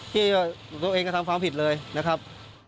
ที่ตัวเองกระทำความผิดเลยนะครับ